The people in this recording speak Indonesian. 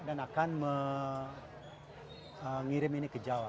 akan mengirim ini ke jawa